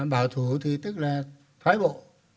bảo thủ thì tức là thoái bộ